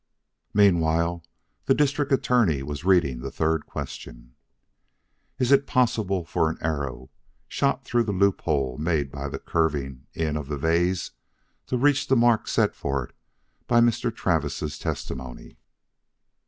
Meanwhile, the District Attorney was reading the third question. "'Is it possible for an arrow, shot through the loophole made by the curving in of the vase, to reach the mark set for it by Mr. Travis' testimony?'